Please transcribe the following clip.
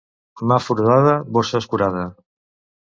Mà foradada, bossa escurada.